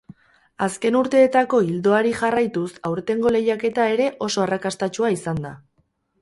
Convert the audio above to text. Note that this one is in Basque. Azken urteetako ildoari jarraituz, aurtengo lehiaketa ere oso arrakastatsua izan da.